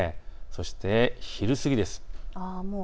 そして昼過ぎです。